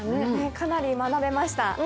かなり学べました。